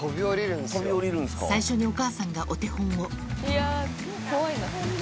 最初にお母さんがお手本を。